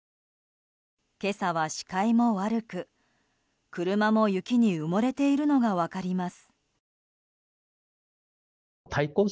今朝は視界も悪く車も雪に埋もれているのが分かります。